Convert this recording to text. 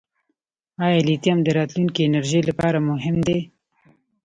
آیا لیتیم د راتلونکي انرژۍ لپاره مهم دی؟